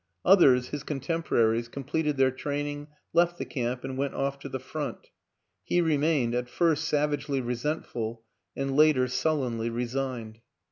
Others, his contempo raries, completed their training, left the camp, and went off to the front; he remained, at first savagely resentful and later sullenly resigned.